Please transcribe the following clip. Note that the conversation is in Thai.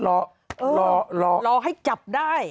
รอรอให้จับได้